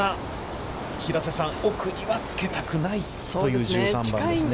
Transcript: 平瀬さん、奥にはつけたくないという１３番ですね。